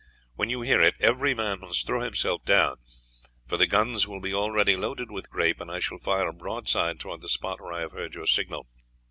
When you hear it, every man must throw himself down, for the guns will be already loaded with grape, and I shall fire a broadside towards the spot where I have heard your signal.